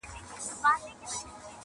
o برگ سپى د چغال ورور دئ!